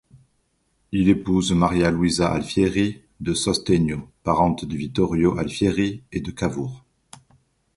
Il épouse Maria Luisa Alfieri de Sostegno, parente de Vittorio Alfieri et de Cavour.